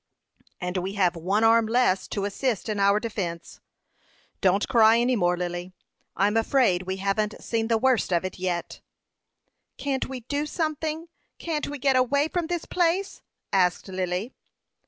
"And we have one arm less to assist in our defence. Don't cry any more, Lily. I'm afraid we haven't seen the worst of it yet." "Can't we do something? Can't we get away from this place?" asked Lily.